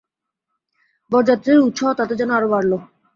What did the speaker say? বরযাত্রীদের উৎসাহ তাতে যেন আরো বাড়ল।